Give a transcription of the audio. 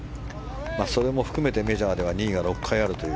それも含めて、メジャーでは２位が６回あるという。